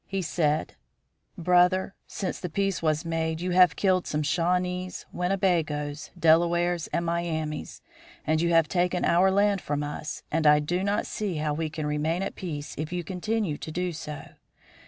He said: "Brother, since the peace was made, you have killed some Shawnees, Winnebagoes, Delawares, and Miamis, and you have taken our land from us, and I do not see how we can remain at peace if you continue to do so.